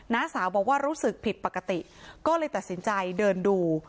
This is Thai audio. ้าสาวบอกว่ารู้สึกผิดปกติก็เลยตัดสินใจเดินดู